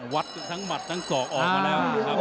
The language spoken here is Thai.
วัดทั้งหมัดทั้งศอกออกมาแล้วนะครับ